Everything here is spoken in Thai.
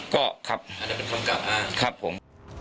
ครับผม